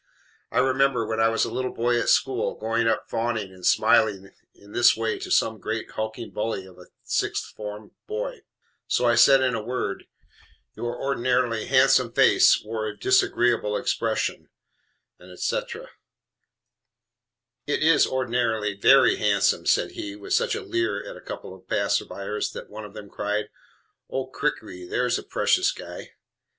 I remember, when I was a little boy at school, going up fawning and smiling in this way to some great hulking bully of a sixth form boy. So I said in a word, "Your ordinarily handsome face wore a disagreeable expression," &c. "It is ordinarily VERY handsome," said he, with such a leer at a couple of passers by, that one of them cried, "Oh, crickey, here's a precious guy!"